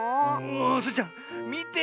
スイちゃんみてよ。